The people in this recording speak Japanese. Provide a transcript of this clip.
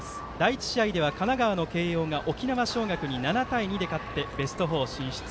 第１試合では、神奈川の慶応が沖縄尚学に７対２で勝ってベスト４進出。